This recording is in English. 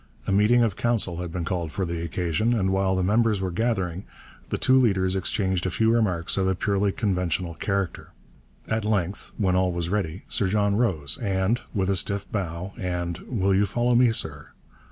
A meeting of Council had been called for the occasion, and while the members were gathering the two leaders exchanged a few remarks of a purely conventional character. At length, when all was ready, Sir John rose and, with a stiff bow and 'Will you follow me, sir?'